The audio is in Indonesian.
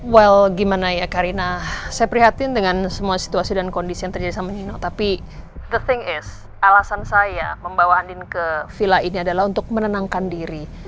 well gimana ya karina saya prihatin dengan semua situasi dan kondisi yang terjadi sama nino tapi thohing is alasan saya membawa andin ke villa ini adalah untuk menenangkan diri